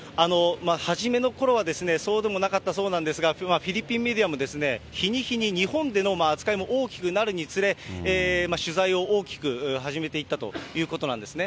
初めのころはそうでもなかったそうなんですが、フィリピンメディアも、日に日に日本での扱いも大きくなるにつれ、取材を大きく始めていったということなんですね。